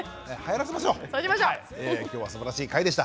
今日はすばらしい回でした。